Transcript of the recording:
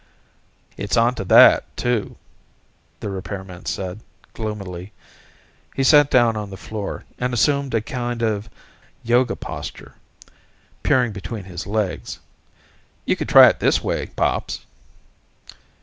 "It's onto that, too," the repairman said, gloomily. He sat down on the floor, and assumed a kind of Yoga posture, peering between his legs. "You could try it this way, Pops."